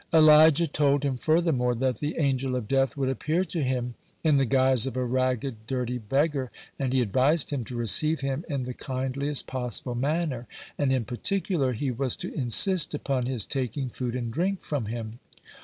Elijah told him furthermore, that the Angel of Death would appear to him in the guise of a ragged, dirty beggar, and he advised him to receive him in the kindliest possible manner, and in particular he was to insist upon his taking food and drink from him.